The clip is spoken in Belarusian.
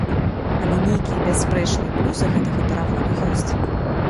Але нейкія бясспрэчныя плюсы гэтага пераводу ёсць.